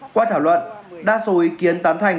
qua thảo luận đa số ý kiến tán thành